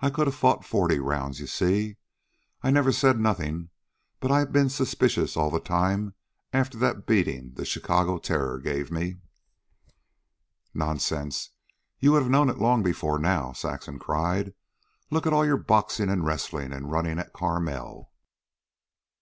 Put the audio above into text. I could a fought forty rounds. You see, I never said nothin', but I've been suspicious all the time after that beatin' the Chicago Terror gave me." "Nonsense! you would have known it long before now," Saxon cried. "Look at all your boxing, and wrestling, and running at Carmel."